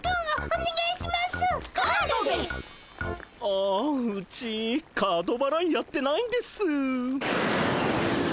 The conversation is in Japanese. あうちカードばらいやってないんです。